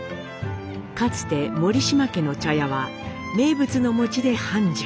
かつて森島家の茶屋は名物の餅で繁盛。